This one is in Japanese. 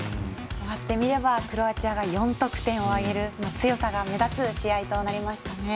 終わってみればクロアチアが４得点を挙げる強さが目立つ試合となりましたね。